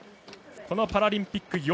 このパラリンピック